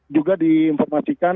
juga di informasi